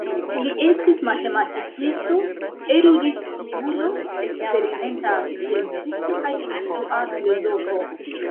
Li estis matematikisto, erudiciulo, eksperimenta sciencisto kaj influa filozofo.